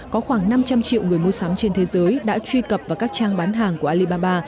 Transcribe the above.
có khoảng năm trăm linh triệu người mua sắm trên thế giới đã truy cập vào các trang bán hàng của alibaba